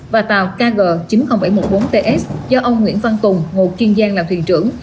và tàu kg chín nghìn bảy mươi bốn ts do ông nguyễn văn tùng ngụ kiên giang làm thuyền trưởng